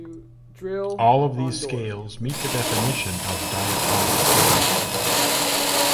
All these scales meet the definition of diatonic scale.